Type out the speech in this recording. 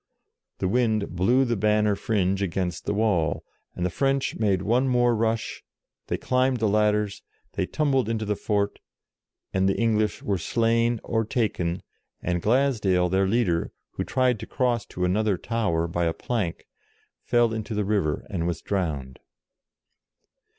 The wind blew the banner fringe against the wall, and the French made one more rush, they climbed the ladders, they tumbled into the fort, and the English were slain or taken, and Glasdale, their leader, who tried to cross to another tower by a plank, fell into the river and was drowned.